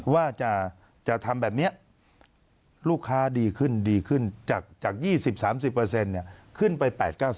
ว่าจะทำแบบนี้ลูกค้าดีขึ้นดีขึ้นจาก๒๐๓๐ขึ้นไป๘๙๐